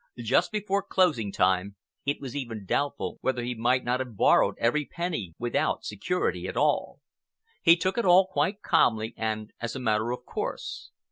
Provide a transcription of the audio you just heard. Just before closing time, it was even doubtful whether he might not have borrowed every penny without security at all. He took it all quite calmly and as a matter of course.